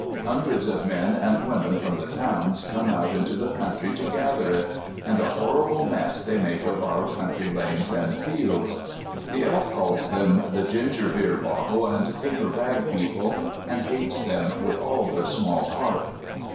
Hundreds of men and women from the towns come out into the country to gather it, and a horrible mess they make of our country lanes and fields. The Elf calls them the "Ginger beer bottle and paper bag people" and hates them with all her small heart.